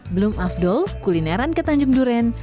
belum afdol kulineran ke tanjung duren